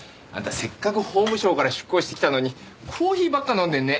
せっかく法務省から出向してきたのにコーヒーばっか飲んでるね。